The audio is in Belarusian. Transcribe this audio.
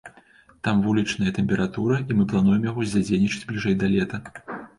Там вулічная тэмпература, і мы плануем яго задзейнічаць бліжэй да лета.